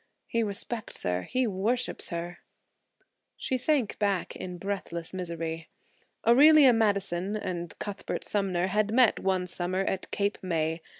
He respects her; he worships her–" She sank back in breathless misery. Aurelia Madison and Cuthbert Sumner had met one summer at Cape May.